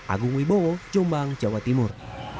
agung wibowo jombang jawa timur